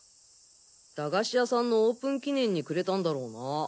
駄菓子屋さんのオープン記念にくれたんだろうな。